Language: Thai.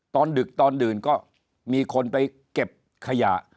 ดึกตอนดื่นก็มีคนไปเก็บขยะ